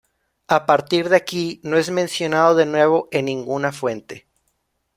A partir de aquí, no es mencionado de nuevo en ninguna fuente.